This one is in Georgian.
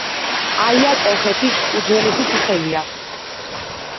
აია კოლხეთის უძველესი სახელია.